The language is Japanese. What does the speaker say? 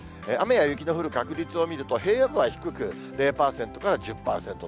雨や雪の降る確率を見ると、平野部は低く、０％から１０％と。